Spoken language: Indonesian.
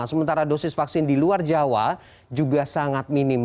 sementara dosis vaksin di luar jawa juga sangat minim